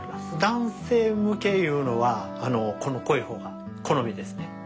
男性向けいうのはこの濃い方が好みですね。